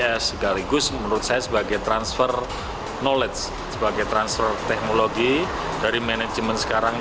dan sekaligus menurut saya sebagai transfer knowledge sebagai transfer teknologi dari manajemen sekarang